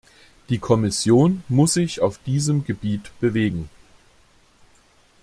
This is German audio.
Die Kommission muss sich auf diesem Gebiet bewegen.